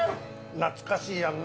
懐かしいやんな。